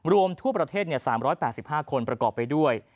ทั่วประเทศ๓๘๕คนประกอบไปด้วย